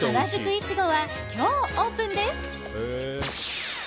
いちごは今日オープンです。